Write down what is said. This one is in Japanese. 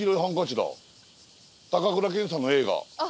高倉健さんの映画。